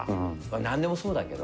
なんでもそうだけど。